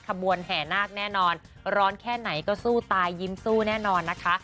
ขบวนแห่นาคแน่นอนร้อนแค่ไหนก็สู้ตายยิ้มสู้แน่นอนนะคะ